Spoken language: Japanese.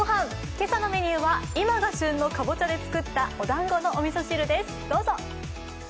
今朝のメニューは今が旬のかぼちゃで作ったおだんごのおみそ汁です。